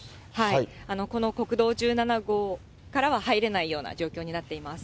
この国道１７号からは入れないような状況になっています。